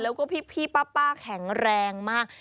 แล้วก็พี่ป้าแข็งแรงมาก